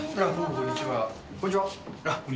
こんにちは。